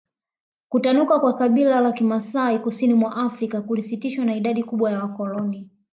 Kutanuka kwa kabila la Kimasai kusini mwa Afrika kulisitishwa na idadi kubwa ya wakoloni